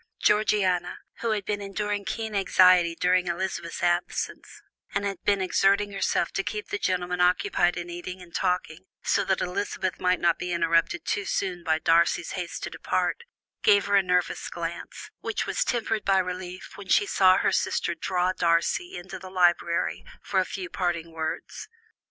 Georgiana, who had been enduring keen anxiety during Elizabeth's absence, and had been exerting herself to keep the gentlemen occupied in eating and talking, so that Elizabeth might not be interrupted too soon by Darcy's haste to depart, gave her a nervous glance, which was tempered by relief when she saw her sister draw Darcy into the library for a few parting words.